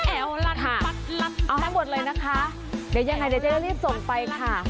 แอวลัดค่ะเอาทั้งหมดเลยนะคะเดี๋ยวยังไงเดี๋ยวเจ๊จะรีบส่งไปค่ะ